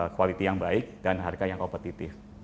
quality yang baik dan harga yang kompetitif